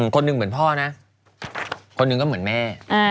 คนหนึ่งเหมือนพ่อนะคนหนึ่งก็เหมือนแม่